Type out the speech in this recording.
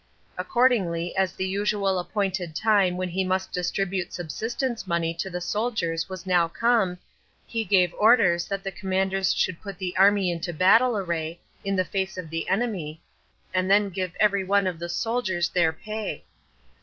Accordingly, as the usual appointed time when he must distribute subsistence money to the soldiers was now come, he gave orders that the commanders should put the army into battle array, in the face of the enemy, and then give every one of the soldiers their pay.